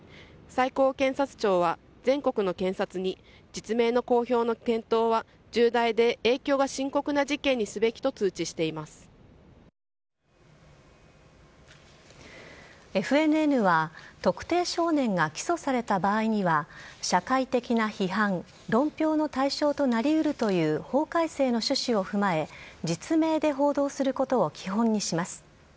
最高検察庁は全国の検察に実名の公表の検討は重大で影響が深刻な事件にすべきとＦＮＮは特定少年が起訴された場合には社会的な批判論評の対象となりうるという法改正の趣旨を踏まえ実名で報道することを基本にします。